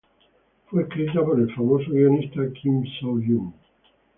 Fue escrita por el famoso guionista Kim Soo Hyun.